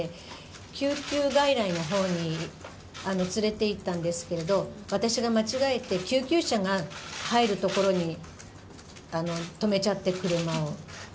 救急外来のほうに連れて行ったんですけど私が間違えて救急車が入るところに車を止めちゃって。